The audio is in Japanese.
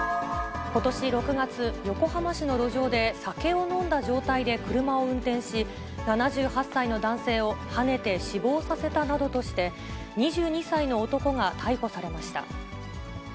ことし６月、横浜市の路上で酒を飲んだ状態で車を運転し、７８歳の男性をはねて死亡させたなどとして、２２歳の男が逮捕されました。